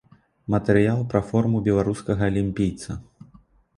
Матэрыял пра форму беларускага алімпійца.